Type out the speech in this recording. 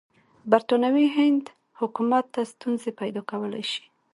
برټانوي هند حکومت ته ستونزې پیدا کولای شي.